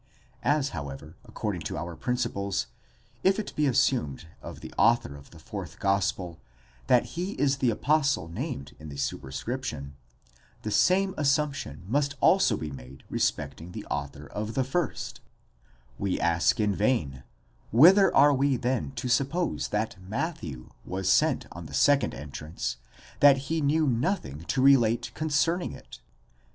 As, how ever, according to our principles, if it be assumed of the author of the fourth gospel, that he is the apostle named in the superscription, the same assump tion must also be made respecting the author of the first: we ask in vain, whither are we then to suppose that A/at¢/hew was sent on the second entrance, that he knew nothing to relate concerning it?